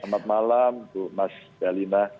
selamat malam bu mas dalina